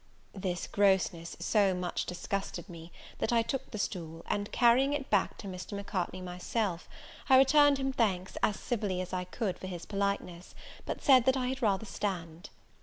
This grossness so much disgusted me, that I took the stool, and carrying it back to Mr. Macartney myself, I returned him thanks as civilly as I could for his politeness, but said that I had rather stand.